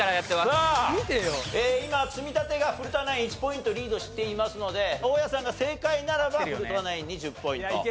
さあ今積み立てが古田ナイン１ポイントリードしていますので大家さんが正解ならば古田ナインに１０ポイント。